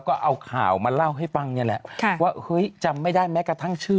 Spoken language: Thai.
ก็เอาข่าวมาเล่าให้ฟังเนี่ยแหละค่ะว่าเฮ้ยจำไม่ได้แม้กระทั่งชื่อ